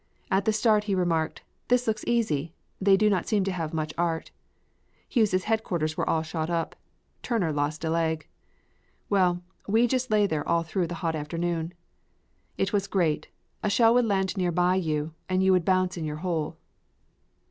At the start he remarked: "This looks easy they do not seem to have much art." Hughes' headquarters were all shot up. Turner lost a leg. Well, we just lay there all through the hot afternoon. It was great a shell would land near by and you would bounce in your hole.